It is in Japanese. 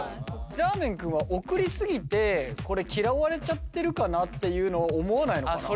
らーめん君は送り過ぎてこれ嫌われちゃってるかなっていうのを思わないのかな。